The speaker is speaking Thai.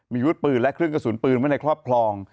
มีวุฒิปืนและเครื่องกระสุนปืนไว้ในครอบครอง